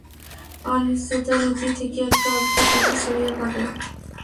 অনিশ্চয়তা–নীতি থেকে একটা অদ্ভুত কথা ছড়িয়ে পড়ে।